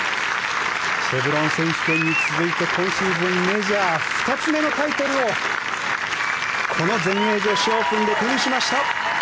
シェブロン選手権に続いて今シーズンメジャー２つ目のタイトルをこの全英女子オープンで手にしました。